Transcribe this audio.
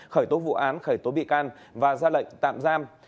khởi tố vụ án khởi tố bị can và ra lệnh tạm giam